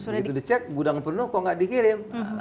begitu dicek gudang penuh kok nggak dikirim